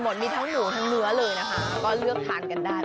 หมดมีทั้งหนูทั้งเนื้อเลยนะคะก็เลือกทานกันได้